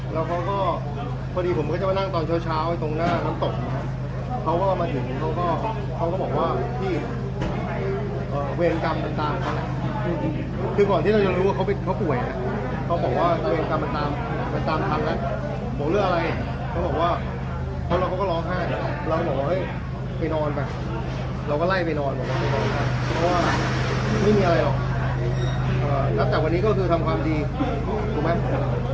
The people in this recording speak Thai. แล้วเขาก็พอดีผมก็จะมานั่งตอนเช้าเช้าตรงหน้าน้ำตกเขาก็มาถึงเขาก็เขาก็บอกว่าพี่เวรกรรมมันตามทันคือก่อนที่เรายังรู้ว่าเขาป่วยเขาบอกว่าเวรกรรมมันตามมันตามทันแล้วบอกเรื่องอะไรเขาบอกว่าเพราะเราก็ร้องไห้นะครับเราบอกว่าไปนอนไปเราก็ไล่ไปนอนเพราะว่าไม่มีอะไรหรอกนับจากวันนี้ก็คือทำความดีถูกไหม